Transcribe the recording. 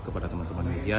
kepada teman teman media